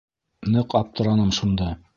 Ныҡ аптыраным шунда.